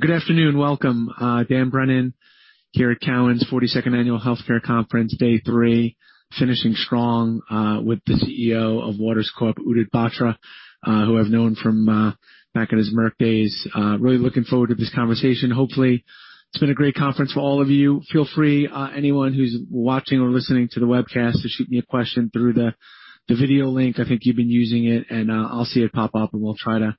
Good afternoon. Welcome. Dan Brennan here at Cowen's 42nd Annual Healthcare Conference, day three, finishing strong, with the CEO of Waters Corporation, Udit Batra, who I've known from back in his Merck days. Really looking forward to this conversation. Hopefully, it's been a great conference for all of you. Feel free, anyone who's watching or listening to the webcast to shoot me a question through the video link. I think you've been using it, and I'll see it pop up, and we'll try to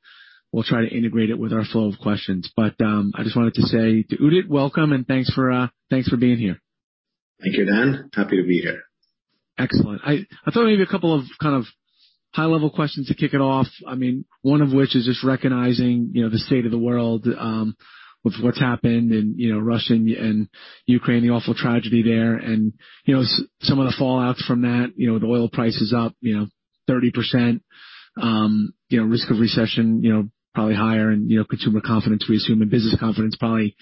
integrate it with our flow of questions. But I just wanted to say to Udit, welcome, and thanks for being here. Thank you, Dan. Happy to be here. Excellent. I thought maybe a couple of kind of high-level questions to kick it off. I mean, one of which is just recognizing, you know, the state of the world, with what's happened and, you know, Russia and Ukraine, the awful tragedy there, and, you know, some of the fallouts from that. You know, the oil price is up, you know, 30%. You know, risk of recession, you know, probably higher, and, you know, consumer confidence, we assume, and business confidence probably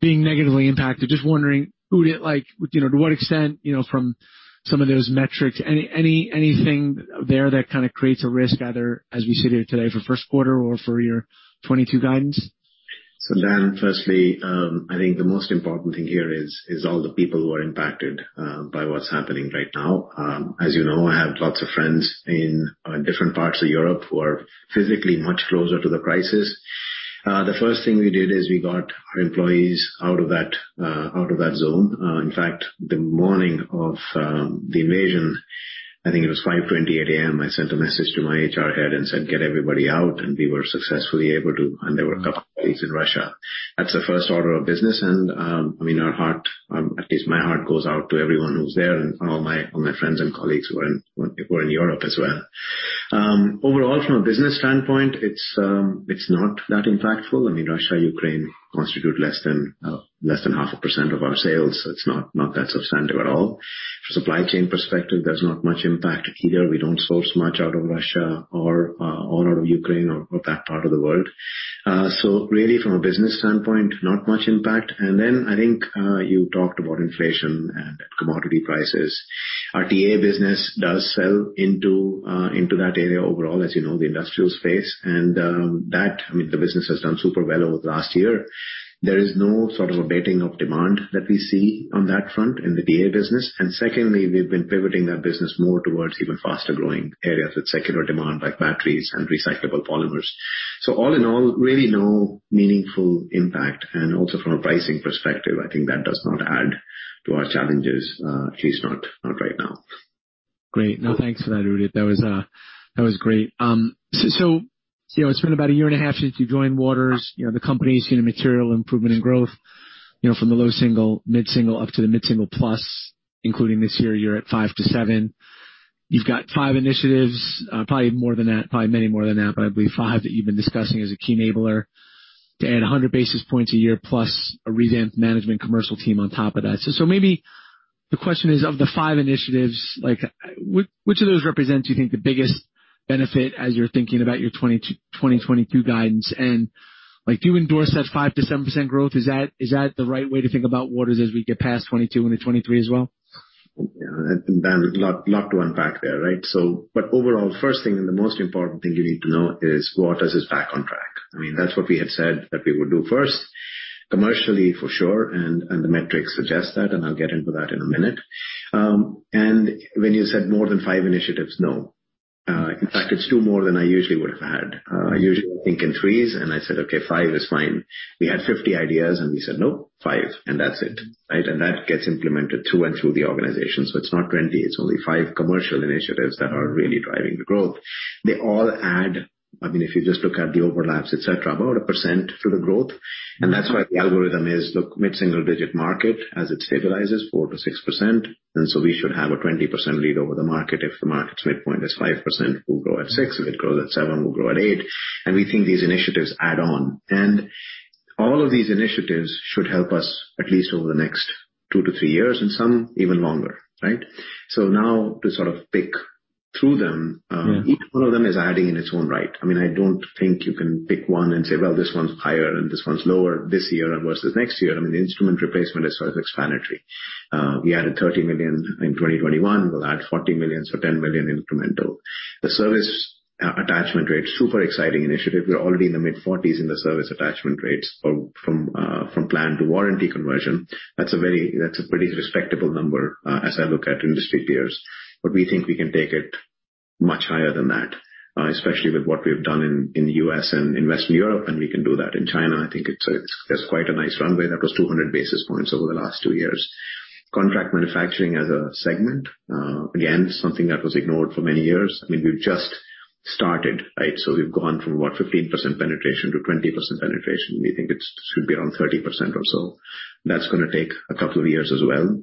being negatively impacted. Just wondering, Udit, like, you know, to what extent, you know, from some of those metrics, anything there that kind of creates a risk either as we sit here today for first quarter or for your 2022 guidance? So, Dan, firstly, I think the most important thing here is all the people who are impacted by what's happening right now. As you know, I have lots of friends in different parts of Europe who are physically much closer to the crisis. The first thing we did is we got our employees out of that zone. In fact, the morning of the invasion, I think it was 5:28 A.M., I sent a message to my HR head and said, "Get everybody out," and we were successfully able to, and there were a couple of colleagues in Russia. That's the first order of business, and I mean, our heart, at least my heart goes out to everyone who's there and all my friends and colleagues who are in Europe as well. Overall, from a business standpoint, it's not that impactful. I mean, Russia and Ukraine constitute less than 0.5% of our sales, so it's not that substantive at all. From a supply chain perspective, there's not much impact either. We don't source much out of Russia or out of Ukraine or that part of the world. So really, from a business standpoint, not much impact. And then I think you talked about inflation and commodity prices. Our TA business does sell into that area overall, as you know, the industrial space. And that, I mean, the business has done super well over the last year. There is no sort of abating of demand that we see on that front in the TA business. And secondly, we've been pivoting that business more towards even faster-growing areas with secular demand like batteries and recyclable polymers. So all in all, really no meaningful impact. And also, from a pricing perspective, I think that does not add to our challenges, at least not right now. Great. No, thanks for that, Udit. That was great. So, you know, it's been about 1.5 years since you joined Waters. You know, the company's seen a material improvement in growth, you know, from the low single, mid-single, up to the mid-single plus. Including this year, you're at 5%-7%. You've got five initiatives, probably more than that, many more than that, but I believe five that you've been discussing as a key enabler to add 100 basis points a year plus a revamped management commercial team on top of that. So, maybe the question is, of the five initiatives, like, which of those represent, do you think, the biggest benefit as you're thinking about your 2022 guidance? And, like, do you endorse that 5%-7% growth? Is that, is that the right way to think about Waters as we get past 2022 into 2023 as well? Yeah. Dan, a lot to unpack there, right? So, but overall, first thing and the most important thing you need to know is Waters is back on track. I mean, that's what we had said that we would do first, commercially for sure, and the metrics suggest that, and I'll get into that in a minute. And when you said more than five initiatives, no. In fact, it's two more than I usually would've had. Usually, I think in threes, and I said, "Okay, five is fine." We had 50 ideas, and we said, "Nope, five," and that's it, right? And that gets implemented through and through the organization. So it's not 20. It's only five commercial initiatives that are really driving the growth. They all add, I mean, if you just look at the overlaps, etc., about 1% to the growth. And that's why the algorithm is, "Look, mid-single-digit market as it stabilizes, 4%-6%, and so we should have a 20% lead over the market. If the market's midpoint is 5%, we'll grow at 6. If it grows at 7, we'll grow at 8." And we think these initiatives add on. And all of these initiatives should help us at least over the next two to three years and some even longer, right? So now to sort of pick through them, Yeah. Each one of them is adding in its own right. I mean, I don't think you can pick one and say, "Well, this one's higher and this one's lower this year versus next year." I mean, the instrument replacement is sort of explanatory. We added $30 million in 2021. We'll add $40 million, so $10 million incremental. The service attachment rate, super exciting initiative. We're already in the mid-40s in the service attachment rates or from, from plan to warranty conversion. That's a very, that's a pretty respectable number, as I look at industry peers. But we think we can take it much higher than that, especially with what we've done in, in the U.S. and in Western Europe, and we can do that in China. I think it's, it's, there's quite a nice runway. That was 200 basis points over the last two years. Contract manufacturing as a segment, again, something that was ignored for many years. I mean, we've just started, right? So we've gone from about 15% penetration to 20% penetration. We think it should be around 30% or so. That's going to take a couple of years as well.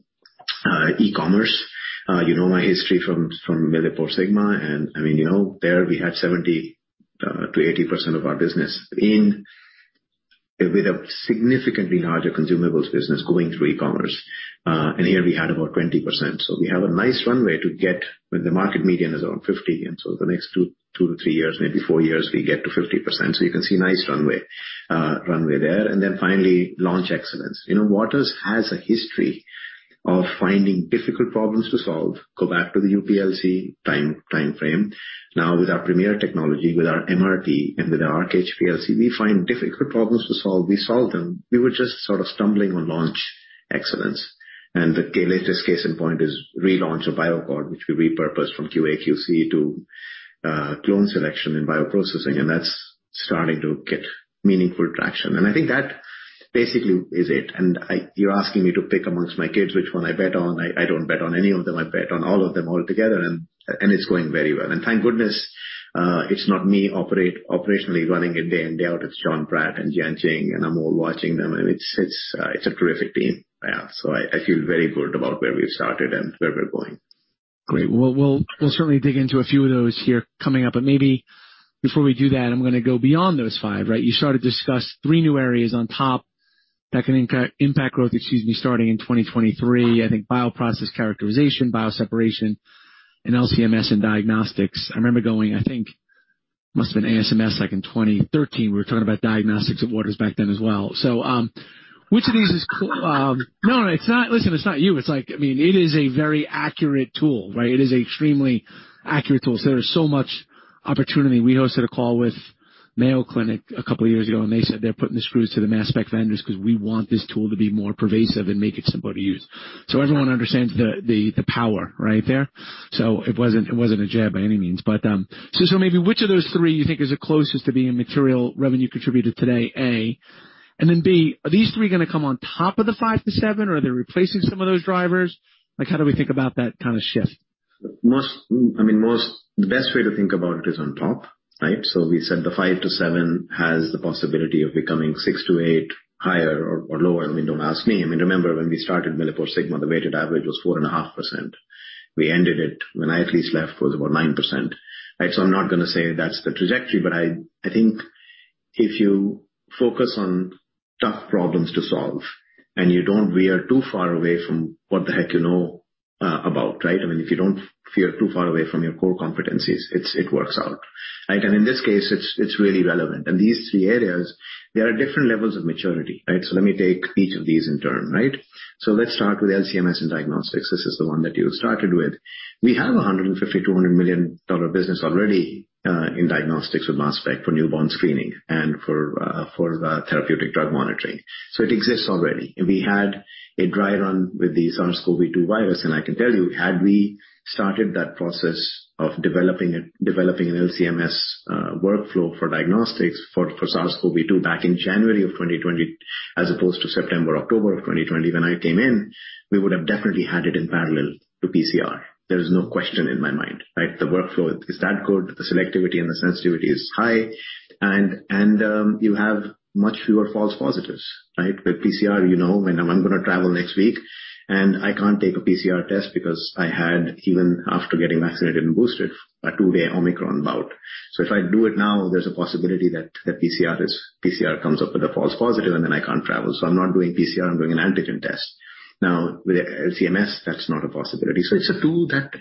e-commerce. You know my history from MilliporeSigma, and I mean, you know, there we had 70%-80% of our business in, with a significantly larger consumables business going through e-commerce, and here we had about 20%. So we have a nice runway to get when the market median is around 50%, and so the next 2-3 years, maybe four years, we get to 50%. So you can see nice runway there, and then finally, launch excellence. You know, Waters has a history of finding difficult problems to solve. Go back to the UPLC time frame. Now, with our premier technology, with our MRT and with our Arc HPLC, we find difficult problems to solve. We solve them. We were just sort of stumbling on launch excellence. And the latest case in point is relaunch of BioAccord, which we repurposed from QA/QC to clone selection and bioprocessing, and that's starting to get meaningful traction. And I think that basically is it. And I, you're asking me to pick amongst my kids which one I bet on. I, I don't bet on any of them. I bet on all of them altogether, and, and it's going very well. And thank goodness, it's not me operate, operationally running it day in, day out. It's Jon Pratt and Jianqing, and I'm all watching them. And it's, it's, it's a terrific team. Yeah. So I, I feel very good about where we've started and where we're going. Great. We'll certainly dig into a few of those here coming up, but maybe before we do that, I'm going to go beyond those five, right? You started to discuss three new areas on top that can impact growth, excuse me, starting in 2023. I think bioprocess characterization, bioseparations, and LC-MS and diagnostics. I remember going, I think it must've been ASMS, like, in 2013. We were talking about diagnostics at Waters back then as well. So, which of these is...no, it's not. Listen, it's not you. It's like, I mean, it is a very accurate tool, right? It is an extremely accurate tool. So there's so much opportunity. We hosted a call with Mayo Clinic a couple of years ago, and they said they're putting the screws to the mass spec vendors because we want this tool to be more pervasive and make it simple to use. So everyone understands the power right there. So it wasn't a jab by any means. But so maybe which of those three you think is the closest to being a material revenue contributor today? A, and then B, are these three going to come on top of the 5-7, or are they replacing some of those drivers? Like, how do we think about that kind of shift? Most, I mean, the best way to think about it is on top, right? So we said the 5-7 has the possibility of becoming 6-8 higher or lower. I mean, don't ask me. I mean, remember when we started MilliporeSigma, the weighted average was 4.5%. We ended it, when I at least left, was about 9%, right? So I'm not going to say that's the trajectory, but I think if you focus on tough problems to solve and you don't veer too far away from what the heck you know about, right? I mean, if you don't veer too far away from your core competencies, it works out, right? And in this case, it's really relevant. And these three areas, there are different levels of maturity, right? So let me take each of these in turn, right? So let's start with LC-MS and diagnostics. This is the one that you started with. We have a $150 million-$200 million business already in diagnostics with mass spec for newborn screening and for therapeutic drug monitoring. So it exists already. And we had a dry run with the SARS-CoV-2 virus, and I can tell you, had we started that process of developing an LC-MS workflow for diagnostics for SARS-CoV-2 back in January of 2020, as opposed to September, October of 2020, when I came in, we would've definitely had it in parallel to PCR. There is no question in my mind, right? The workflow is that good. The selectivity and the sensitivity is high. And you have much fewer false positives, right? With PCR, you know, when I'm going to travel next week and I can't take a PCR test because I had, even after getting vaccinated and boosted, a two-day Omicron bout. So if I do it now, there's a possibility that, that PCR is, PCR comes up with a false positive, and then I can't travel. So I'm not doing PCR. I'm doing an antigen test. Now, with LC-MS, that's not a possibility. So it's a tool that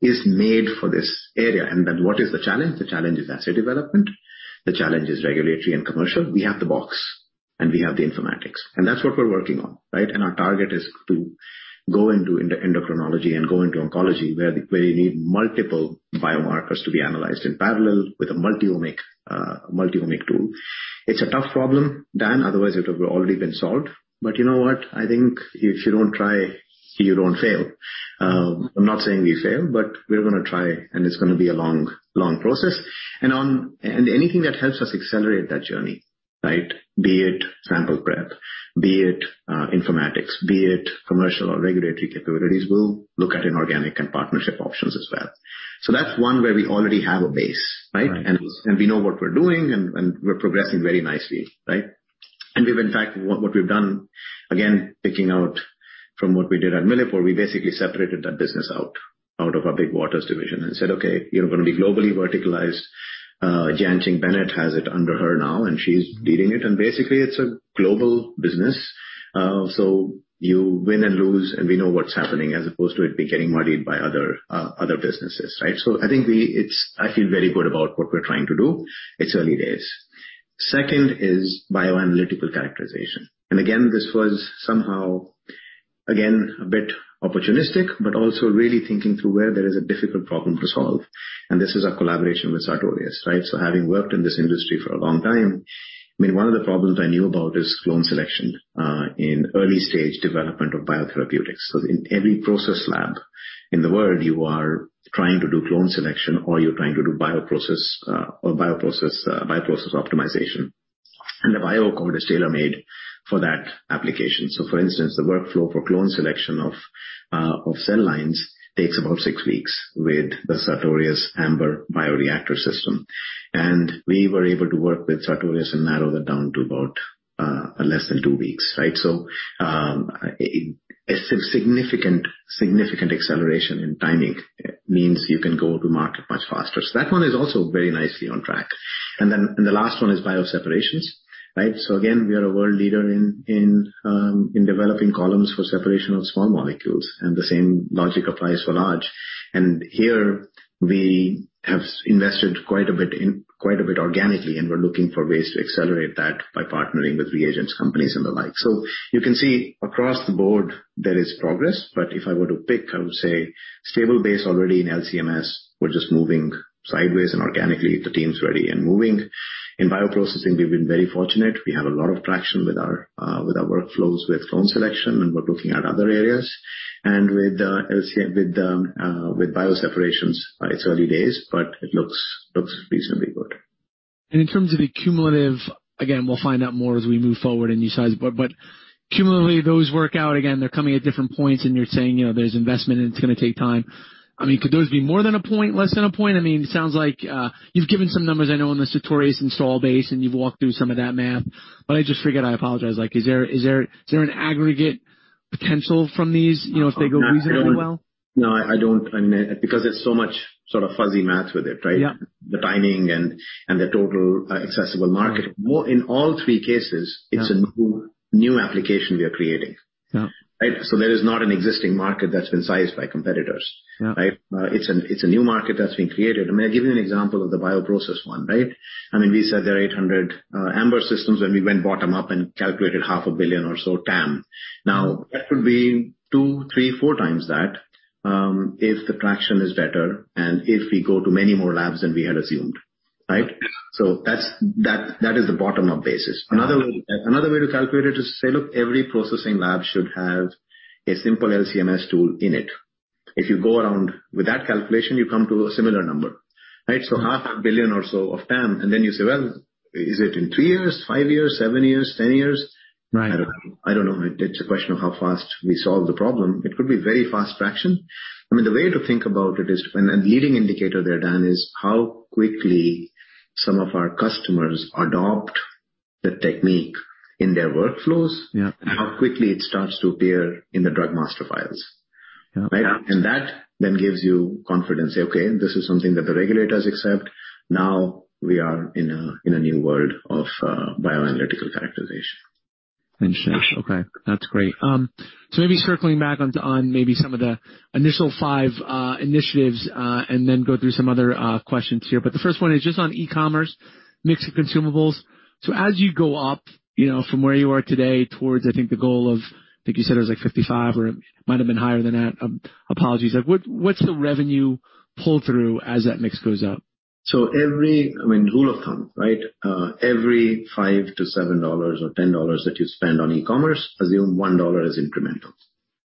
is made for this area. And then what is the challenge? The challenge is asset development. The challenge is regulatory and commercial. We have the box, and we have the informatics, and that's what we're working on, right? And our target is to go into endocrinology and go into oncology where, where you need multiple biomarkers to be analyzed in parallel with a multi-omics tool. It's a tough problem, Dan, otherwise it would've already been solved. But you know what? I think if you don't try, you don't fail. I'm not saying we fail, but we're going to try, and it's going to be a long, long process. And anything that helps us accelerate that journey, right, be it sample prep, be it informatics, be it commercial or regulatory capabilities, we'll look at inorganic and partnership options as well. So that's one where we already have a base, right? And it's, and we know what we're doing, and we're progressing very nicely, right? And we've, in fact, what we've done, again, picking out from what we did at Millipore, we basically separated that business out of our big Waters division and said, "Okay, you're going to be globally verticalized." Jianqing Bennett has it under her now, and she's leading it. And basically, it's a global business. So you win and lose, and we know what's happening as opposed to it being getting muddied by other businesses, right? So I think it's, I feel very good about what we're trying to do. It's early days. Second is bioanalytical characterization. And again, this was somehow, again, a bit opportunistic, but also really thinking through where there is a difficult problem to solve. And this is a collaboration with Sartorius, right? So having worked in this industry for a long time, I mean, one of the problems I knew about is clone selection in early-stage development of biotherapeutics. So in every process lab in the world, you are trying to do clone selection or you're trying to do bioprocess or bioprocess optimization. And the BioAccord is tailor-made for that application. For instance, the workflow for clone selection of cell lines takes about six weeks with the Sartorius Ambr bioreactor system. We were able to work with Sartorius and narrow that down to less than two weeks, right? A significant acceleration in timing means you can go to market much faster. That one is also very nicely on track. Then the last one is bioseparations, right? Again, we are a world leader in developing columns for separation of small molecules, and the same logic applies for large. Here we have invested quite a bit organically, and we're looking for ways to accelerate that by partnering with reagent companies and the like. So you can see across the board there is progress, but if I were to pick, I would say stable base already in LC-MS. We're just moving sideways and organically if the team's ready and moving. In bioprocessing, we've been very fortunate. We have a lot of traction with our, with our workflows with clone selection, and we're looking at other areas. And with the LC, with the, with bioseparations, it's early days, but it looks, looks reasonably good. In terms of the cumulative, again, we'll find out more as we move forward in these sizes, but cumulatively, those work out. Again, they're coming at different points, and you're saying, you know, there's investment, and it's going to take time. I mean, could those be more than a point, less than a point? I mean, it sounds like, you've given some numbers, I know, on the Sartorius install base, and you've walked through some of that math, but I just figured, I apologize, like, is there an aggregate potential from these, you know, if they go reasonably well? No, no, I don't. I mean, because there's so much sort of fuzzy math with it, right? Yeah. The timing and the total addressable market. Yeah. More in all three cases, it's a new application we are creating. Yeah. Right? So there is not an existing market that's been sized by competitors. Yeah. Right? It's a new market that's being created. I mean, I'll give you an example of the bioprocess one, right? I mean, we said there are 800 Ambr systems, and we went bottom-up and calculated a $500 million or so TAM. Now, that would be 2, 3, 4x that, if the traction is better and if we go to many more labs than we had assumed, right? So that's the bottom-up basis. Another way to calculate it is to say, "Look, every processing lab should have a simple LC-MS tool in it." If you go around with that calculation, you come to a similar number, right? So a $500 million or so TAM, and then you say, "Well, is it in three years, five years, seven years, 10 years? Right. I don't know. I don't know. It's a question of how fast we solve the problem. It could be very fast traction. I mean, the way to think about it is, and the leading indicator there, Dan, is how quickly some of our customers adopt the technique in their workflows. Yeah. How quickly it starts to appear in the Drug Master Files. Yeah. Right? And that then gives you confidence, say, "Okay, this is something that the regulators accept. Now we are in a new world of bioanalytical characterization. Interesting. Okay. That's great. So maybe circling back on some of the initial five initiatives, and then go through some other questions here. But the first one is just on e-commerce mix of consumables. So as you go up, you know, from where you are today towards, I think, the goal of, I think you said it was like 55 or it might've been higher than that. Apologies. Like, what's the revenue pull-through as that mix goes up? I mean, rule of thumb, right? Every $5-$7 or $10 that you spend on e-commerce, assume $1 is incremental.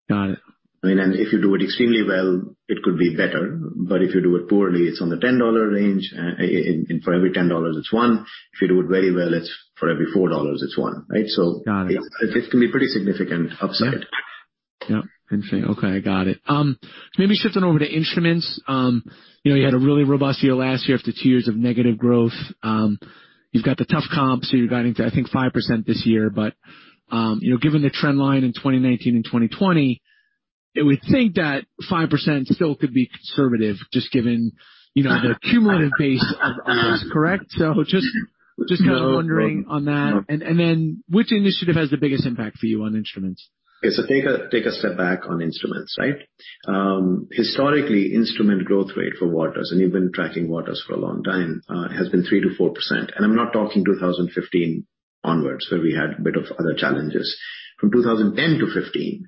Got it. I mean, and if you do it extremely well, it could be better, but if you do it poorly, it's on the $10 range, in for every $10, it's one. If you do it very well, it's for every $4, it's $1, right? So. Got it. It can be pretty significant upside. Yeah. Interesting. Okay. I got it. Maybe shifting over to instruments. You know, you had a really robust year last year after two years of negative growth. You've got the tough comp, so you're guiding to, I think, 5% this year, but, you know, given the trend line in 2019 and 2020, I would think that 5% still could be conservative just given, you know, the cumulative base of this, correct? So just kind of wondering on that. And then which initiative has the biggest impact for you on instruments? Okay. So take a step back on instruments, right? Historically, instrument growth rate for Waters, and we've been tracking Waters for a long time, has been 3%-4%. And I'm not talking 2015 onwards where we had a bit of other challenges. From 2010 to 2015,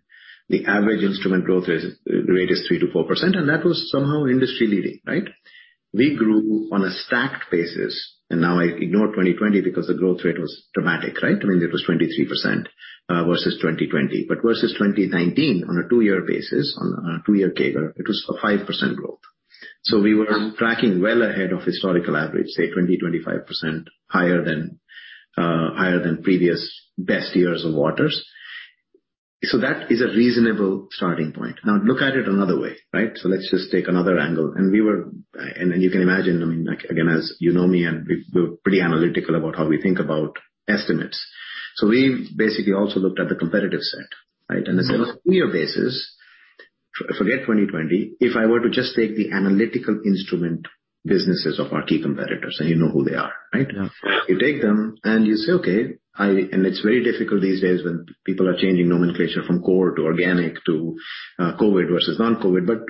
the average instrument growth rate is 3%-4%, and that was somehow industry-leading, right? We grew on a stacked basis, and now I ignore 2020 because the growth rate was dramatic, right? I mean, it was 23% versus 2020. But versus 2019, on a two-year basis, on a two-year CAGR, it was a 5% growth. So we were tracking well ahead of historical average, say 20%-25% higher than previous best years of Waters. So that is a reasonable starting point. Now, look at it another way, right? So let's just take another angle. And we were, and you can imagine, I mean, again, as you know me, and we, we're pretty analytical about how we think about estimates. So we basically also looked at the competitive set, right? And I said, "On a two-year basis, forget 2020, if I were to just take the analytical instrument businesses of our key competitors," and you know who they are, right? Yeah. You take them and you say, "Okay, I," and it's very difficult these days when people are changing nomenclature from core to organic to COVID versus non-COVID, but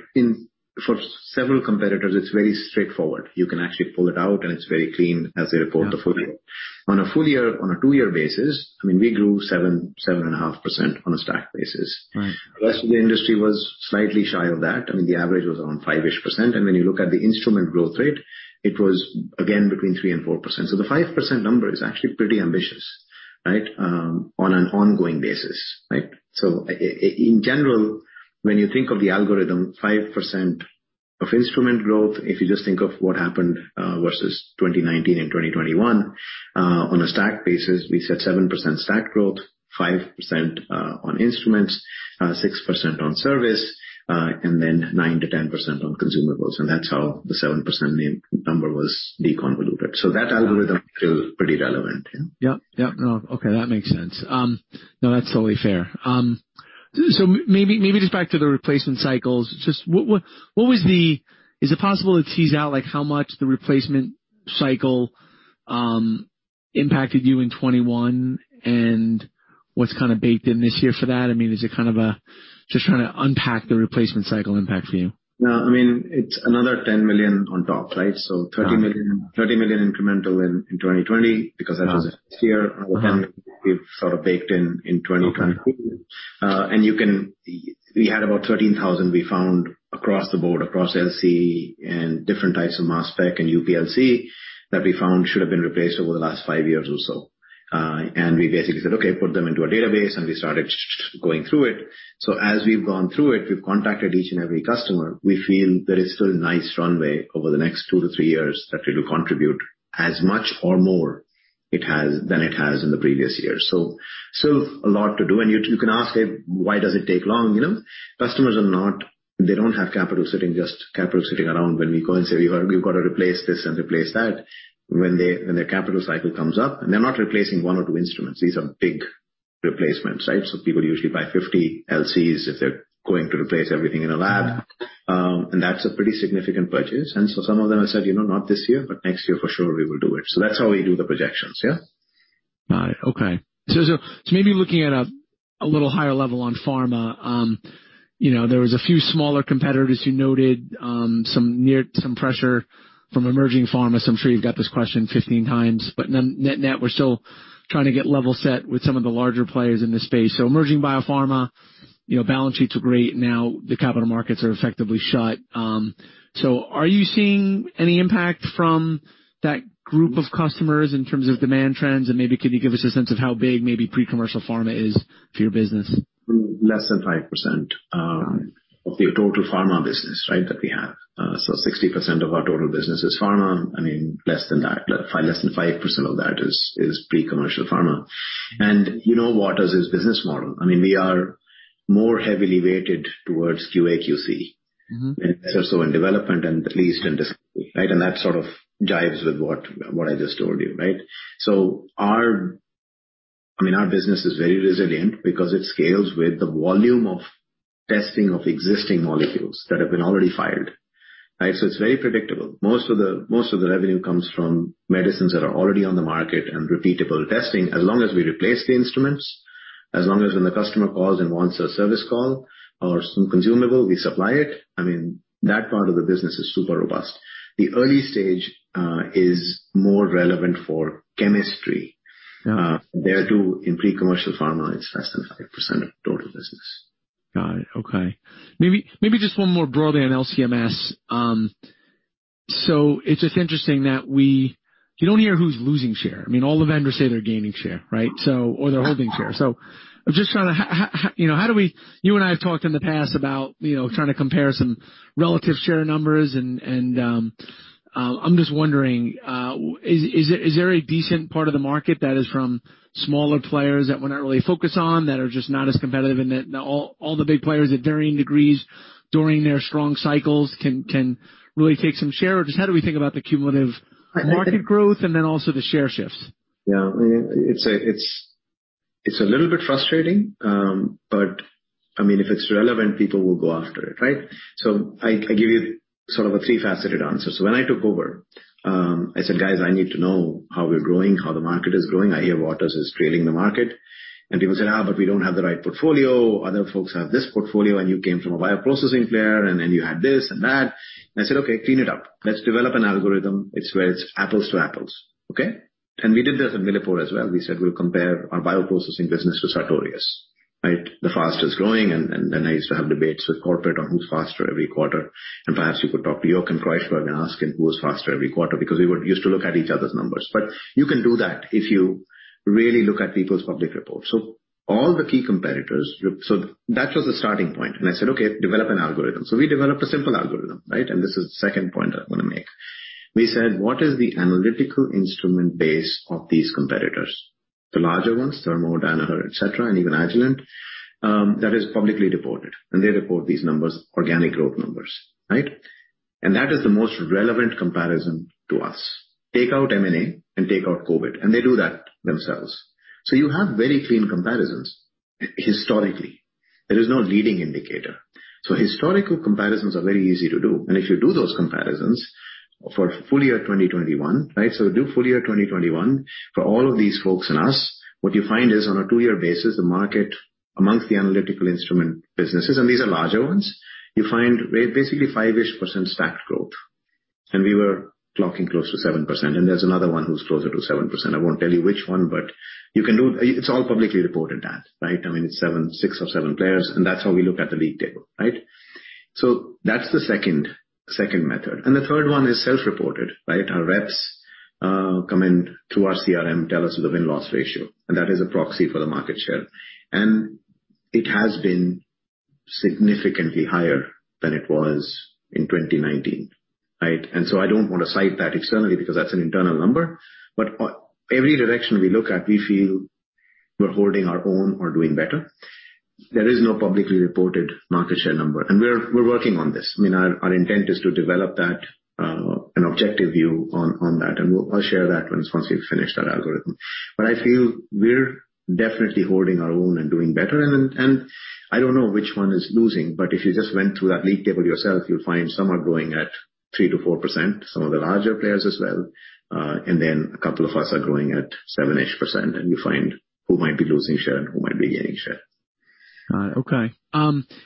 for several competitors, it's very straightforward. You can actually pull it out, and it's very clean as they report the full year. Yeah. On a full year, on a two-year basis, I mean, we grew 7%-7.5% on a stacked basis. Right. The rest of the industry was slightly shy of that. I mean, the average was around 5-ish %. And when you look at the instrument growth rate, it was, again, between 3%-4%. So the 5% number is actually pretty ambitious, right? On an ongoing basis, right? So in general, when you think of the algorithm, 5% of instrument growth, if you just think of what happened, versus 2019 and 2021, on a stacked basis, we said 7% stacked growth, 5%, on instruments, 6% on service, and then 9%-10% on consumables. And that's how the 7% name number was deconvoluted. So that algorithm is still pretty relevant, yeah? Yeah. Yeah. No. Okay. That makes sense. No, that's totally fair. So maybe just back to the replacement cycles, just what was the, is it possible to tease out, like, how much the replacement cycle impacted you in 2021 and what's kind of baked in this year for that? I mean, is it kind of a, just trying to unpack the replacement cycle impact for you? No, I mean, it's another $10 million on top, right? So $30 million, $30 million incremental in 2020 because that was last year. Yeah. We've sort of baked in in 2022, and you can. We had about 13,000 we found across the board, across LC and different types of mass spec and UPLC that we found should've been replaced over the last five years or so. We basically said, "Okay, put them into a database," and we started going through it. So as we've gone through it, we've contacted each and every customer. We feel there is still a nice runway over the next 2-3 years that it'll contribute as much or more it has than it has in the previous year. So, so a lot to do. You can ask, "Hey, why does it take long?" You know, customers don't have capital sitting, just capital sitting around when we go and say, "We've gotta replace this and replace that." When their capital cycle comes up, and they're not replacing one or two instruments. These are big replacements, right? People usually buy 50 LCs if they're going to replace everything in a lab, and that's a pretty significant purchase. Some of them have said, "You know, not this year, but next year for sure we will do it." That's how we do the projections, yeah? Got it. Okay. So maybe looking at a little higher level on pharma, you know, there was a few smaller competitors who noted some near-term pressure from emerging pharmas. I'm sure you've got this question 15x, but net, we're still trying to get level set with some of the larger players in this space. So emerging biopharma, you know, balance sheets are great. Now the capital markets are effectively shut. So are you seeing any impact from that group of customers in terms of demand trends? And maybe could you give us a sense of how big maybe pre-commercial pharma is for your business? Less than 5%. Got it. Of the total pharma business, right, that we have, so 60% of our total business is pharma. I mean, less than that, less than 5% of that is pre-commercial pharma, and you know Waters' business model. I mean, we are more heavily weighted towards QA/QC. Mm-hmm. Or so in development and at least in discovery, right? And that sort of jives with what, what I just told you, right? So our, I mean, our business is very resilient because it scales with the volume of testing of existing molecules that have been already filed, right? So it's very predictable. Most of the, most of the revenue comes from medicines that are already on the market and repeatable testing as long as we replace the instruments, as long as when the customer calls and wants a service call or some consumable, we supply it. I mean, that part of the business is super robust. The early stage is more relevant for chemistry. Yeah. There too, in pre-commercial pharma, it's less than 5% of total business. Got it. Okay. Maybe, maybe just one more broadly on LC-MS. So it's just interesting that we, you don't hear who's losing share. I mean, all the vendors say they're gaining share, right? So, or they're holding share. So I'm just trying to, you know, how do we, you and I have talked in the past about, you know, trying to compare some relative share numbers and, and, I'm just wondering, is, is there, is there a decent part of the market that is from smaller players that we're not really focused on that are just not as competitive and that all, all the big players at varying degrees during their strong cycles can, can really take some share? Or just how do we think about the cumulative market growth and then also the share shifts? Yeah. I mean, it's a little bit frustrating, but I mean, if it's relevant, people will go after it, right? So I give you sort of a three-faceted answer. So when I took over, I said, "Guys, I need to know how we're growing, how the market is growing. I hear Waters is trailing the market." And people said, but we don't have the right portfolio. Other folks have this portfolio, and you came from a bioprocessing player, and then you had this and that." And I said, "Okay, clean it up. Let's develop an algorithm. It's where it's apples to apples." Okay? And we did this at MilliporeSigma as well. We said, "We'll compare our bioprocessing business to Sartorius," right? The fastest growing. And then I used to have debates with corporate on who's faster every quarter. And perhaps you could talk to Joachim Kreuzburg and ask him who was faster every quarter because we were used to look at each other's numbers. But you can do that if you really look at people's public reports. So all the key competitors, so that was the starting point. And I said, "Okay, develop an algorithm." So we developed a simple algorithm, right? And this is the second point I want to make. We said, "What is the analytical instrument base of these competitors? The larger ones, Thermo, Danaher, etc., and even Agilent, that is publicly reported." And they report these numbers, organic growth numbers, right? And that is the most relevant comparison to us. Take out M&A and take out COVID. And they do that themselves. So you have very clean comparisons historically. There is no leading indicator. So historical comparisons are very easy to do. If you do those comparisons for full year 2021, right? So do full year 2021 for all of these folks and us, what you find is on a two-year basis, the market amongst the analytical instrument businesses, and these are larger ones, you find basically 5-ish % stacked growth. We were clocking close to 7%. There's another one who's closer to 7%. I won't tell you which one, but you can do it, it's all publicly reported, Dan, right? I mean, it's six or seven players, and that's how we look at the league table, right? So that's the second method. The third one is self-reported, right? Our reps come in through our CRM, tell us the win-loss ratio, and that is a proxy for the market share. It has been significantly higher than it was in 2019, right? So I don't want to cite that externally because that's an internal number, but every direction we look at, we feel we're holding our own or doing better. There is no publicly reported market share number, and we're working on this. I mean, our intent is to develop that, an objective view on that, and I'll share that once we finish that algorithm. But I feel we're definitely holding our own and doing better. And then, I don't know which one is losing, but if you just went through that league table yourself, you'll find some are growing at 3%-4%, some of the larger players as well, and then a couple of us are growing at 7-ish%, and you find who might be losing share and who might be gaining share. Got it. Okay.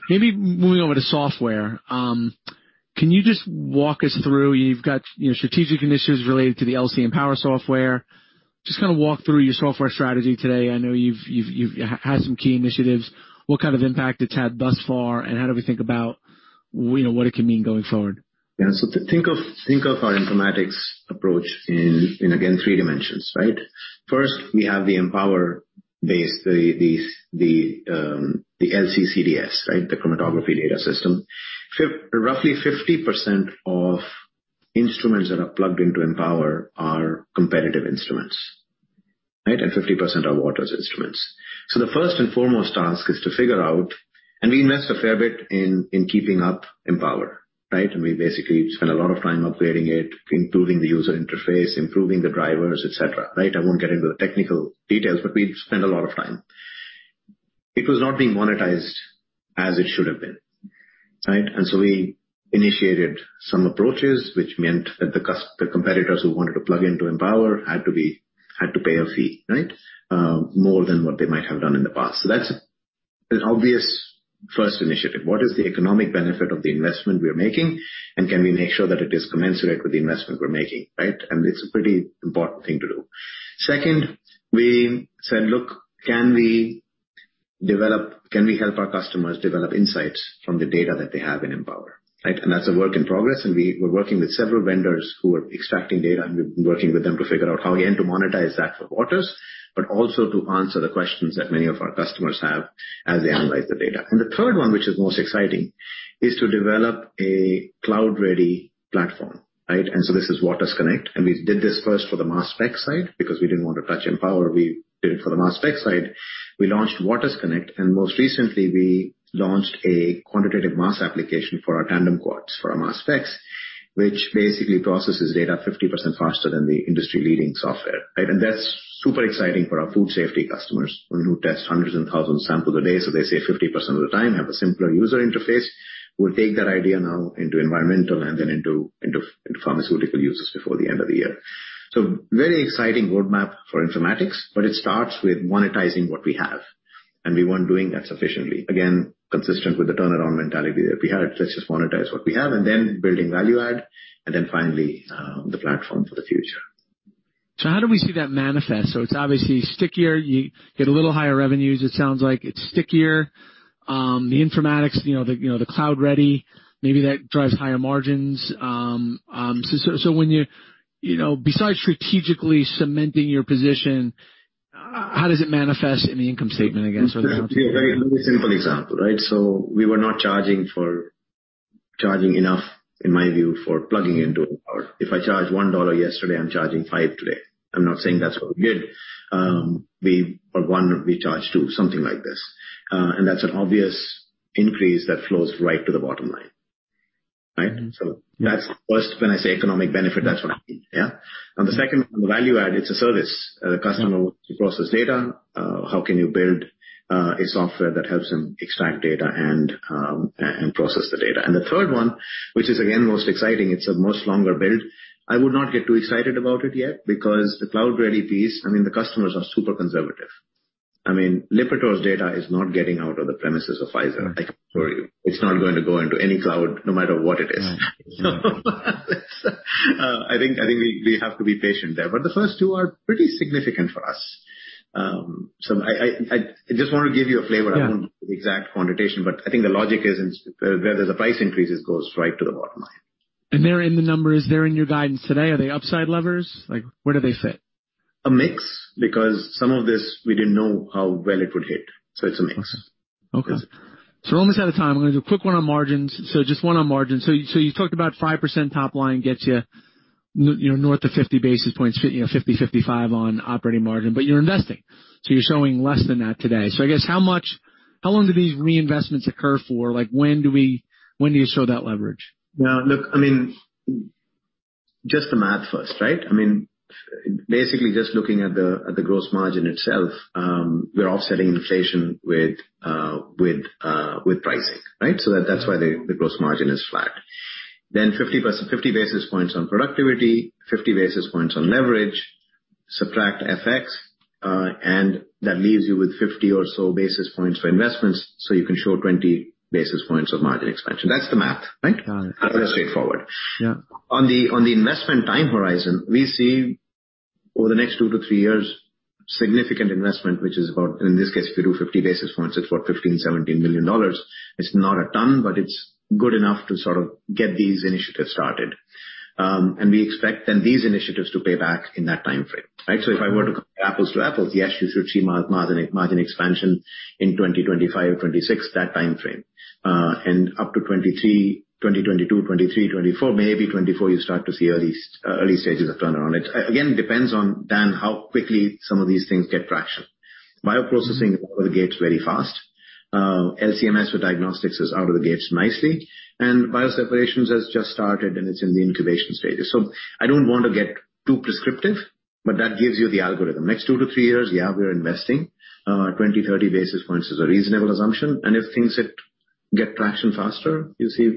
Maybe moving over to software. Can you just walk us through? You've got, you know, strategic initiatives related to the LC and Empower software. Just kind of walk through your software strategy today. I know you've had some key initiatives. What kind of impact it's had thus far, and how do we think about, you know, what it can mean going forward? Yeah. So think of our informatics approach in, again, three dimensions, right? First, we have the Empower base, the LC CDS, right? The chromatography data system. Roughly 50% of instruments that are plugged into Empower are competitive instruments, right? And 50% are Waters instruments. So the first and foremost task is to figure out, and we invest a fair bit in keeping up Empower, right? And we basically spend a lot of time upgrading it, improving the user interface, improving the drivers, etc., right? I won't get into the technical details, but we spend a lot of time. It was not being monetized as it should've been, right? And so we initiated some approaches, which meant that the competitors who wanted to plug into Empower had to pay a fee, right? more than what they might have done in the past. So that's an obvious first initiative. What is the economic benefit of the investment we're making, and can we make sure that it is commensurate with the investment we're making, right? And it's a pretty important thing to do. Second, we said, "Look, can we develop, can we help our customers develop insights from the data that they have in Empower," right? And that's a work in progress, and we were working with several vendors who were extracting data, and we've been working with them to figure out how we aim to monetize that for Waters, but also to answer the questions that many of our customers have as they analyze the data. And the third one, which is most exciting, is to develop a cloud-ready platform, right? And so this is Waters Connect, and we did this first for the mass spec side because we didn't want to touch Empower. We did it for the mass spec side. We launched Waters Connect, and most recently, we launched a quantitative mass application for our tandem quads for our mass specs, which basically processes data 50% faster than the industry-leading software, right? And that's super exciting for our food safety customers, who test hundreds and thousands of samples a day. So they save 50% of the time with a simpler user interface. We'll take that idea now into environmental and then into pharmaceutical uses before the end of the year. So very exciting roadmap for informatics, but it starts with monetizing what we have, and we weren't doing that sufficiently. Again, consistent with the turnaround mentality that we had, let's just monetize what we have and then building value add, and then finally, the platform for the future. So how do we see that manifest? It's obviously stickier. You get a little higher revenues, it sounds like. It's stickier. The informatics, you know, the cloud-ready, maybe that drives higher margins. So when you, you know, besides strategically cementing your position, how does it manifest in the income statement again? So to give a very, very simple example, right? So we were not charging for, charging enough, in my view, for plugging into Empower. If I charge $1 yesterday, I'm charging $5 today. I'm not saying that's what we did. We, for one, we charged $2, something like this. And that's an obvious increase that flows right to the bottom line, right? So that's the first. When I say economic benefit, that's what I mean, yeah? On the second, on the value add, it's a service. The customer wants to process data. How can you build a software that helps him extract data and process the data? And the third one, which is again most exciting, it's a much longer build. I would not get too excited about it yet because the cloud-ready piece, I mean, the customers are super conservative. I mean, Lipitor's data is not getting out of the premises of Pfizer. I can assure you it's not going to go into any cloud, no matter what it is. Right. So that's, I think we have to be patient there. But the first two are pretty significant for us. So I just want to give you a flavor. Yeah. I won't give you the exact quantitation, but I think the logic is in where there's a price increase, it goes right to the bottom line. They're in the numbers, they're in your guidance today? Are they upside levers? Like, where do they fit? A mix because some of this we didn't know how well it would hit. So it's a mix. Okay. Okay. So we're almost out of time. I'm going to do a quick one on margins. So just one on margins. So, so you talked about 5% top line gets you, you know, north of 50 basis points, you know, 50%-55% on operating margin, but you're investing. So you're showing less than that today. So I guess how much, how long do these reinvestments occur for? Like, when do we, when do you show that leverage? Now, look, I mean, just the math first, right? I mean, basically just looking at the gross margin itself, we're offsetting inflation with pricing, right? So that's why the gross margin is flat. Then 50 basis points on productivity, 50 basis points on leverage, subtract FX, and that leaves you with 50 or so basis points for investments so you can show 20 basis points of margin expansion. That's the math, right? Got it. That's straightforward. Yeah. On the investment time horizon, we see over the next 2-3 years significant investment, which is about, in this case, if you do 50 basis points, it's about $15 million-$17 million. It's not a ton, but it's good enough to sort of get these initiatives started, and we expect then these initiatives to pay back in that timeframe, right, so if I were to compare apples to apples, yes, you should see margin expansion in 2025-2026, that timeframe, and up to 2023, 2022, 2023, 2024, maybe 2024, you start to see early stages of turnaround. It again depends on, Dan, how quickly some of these things get traction. Bioprocessing is out of the gates very fast. LC-MS for diagnostics is out of the gates nicely. Bioseparations has just started, and it's in the incubation stages. So I don't want to get too prescriptive, but that gives you the algorithm. Next 2-3 years, yeah, we're investing. 20, 30 basis points is a reasonable assumption. And if things get traction faster, you see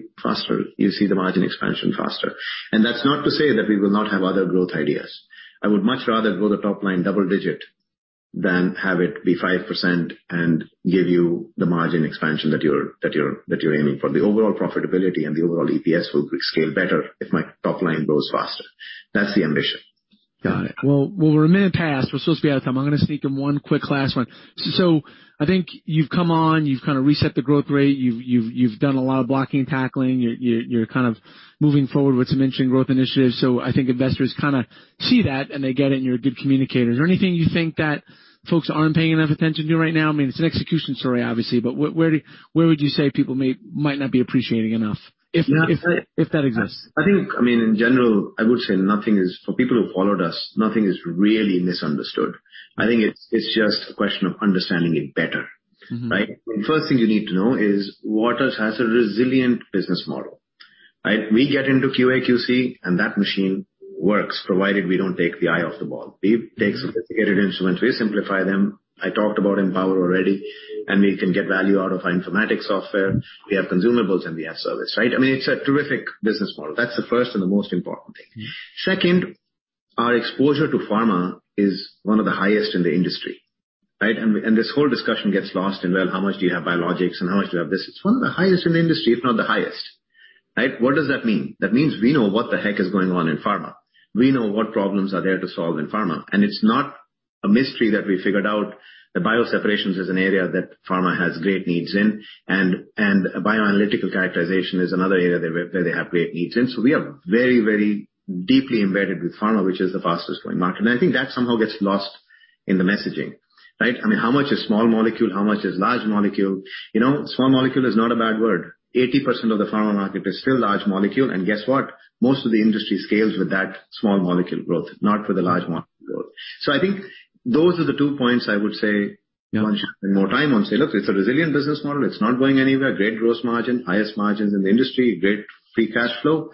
the margin expansion faster. And that's not to say that we will not have other growth ideas. I would much rather grow the top line double digit than have it be 5% and give you the margin expansion that you're aiming for. The overall profitability and the overall EPS will scale better if my top line grows faster. That's the ambition. Got it. We're a minute past. We're supposed to be out of time. I'm going to sneak in one quick last one. So I think you've come on, you've kind of reset the growth rate. You've done a lot of blocking and tackling. You're kind of moving forward with some interesting growth initiatives. So I think investors kind of see that and they get it, and you're a good communicator. Is there anything you think that folks aren't paying enough attention to right now? I mean, it's an execution story, obviously, but where would you say people might not be appreciating enough if that exists? I think, I mean, in general, I would say nothing is, for people who followed us, nothing is really misunderstood. I think it's just a question of understanding it better, right? The first thing you need to know is Waters has a resilient business model, right? We get into QA/QC, and that machine works, provided we don't take the eye off the ball. We take sophisticated instruments, we simplify them. I talked about Empower already, and we can get value out of our informatics software. We have consumables, and we have service, right? I mean, it's a terrific business model. That's the first and the most important thing. Second, our exposure to pharma is one of the highest in the industry, right? And this whole discussion gets lost in, well, how much do you have biologics and how much do you have this? It's one of the highest in the industry, if not the highest, right? What does that mean? That means we know what the heck is going on in pharma. We know what problems are there to solve in pharma. And it's not a mystery that we figured out that bioseparations is an area that pharma has great needs in. And bioanalytical characterization is another area where they have great needs in. So we are very, very deeply embedded with pharma, which is the fastest growing market. And I think that somehow gets lost in the messaging, right? I mean, how much is small molecule, how much is large molecule? You know, small molecule is not a bad word. 80% of the pharma market is still large molecule. And guess what? Most of the industry scales with that small molecule growth, not with the large molecule growth. So I think those are the two points I would say. Yeah. Once you spend more time on, say, look, it's a resilient business model. It's not going anywhere. Great gross margin, highest margins in the industry, great free cash flow,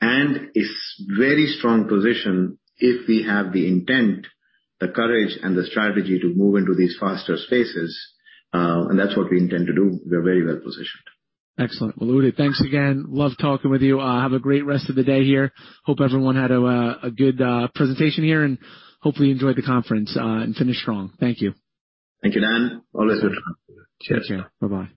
and a very strong position if we have the intent, the courage, and the strategy to move into these faster spaces, and that's what we intend to do. We are very well positioned. Excellent. Well, Udit, thanks again. Love talking with you. Have a great rest of the day here. Hope everyone had a good presentation here and hopefully enjoyed the conference and finished strong. Thank you. Thank you, Dan. Always good to talk to you. Cheers. Take care. Bye-bye.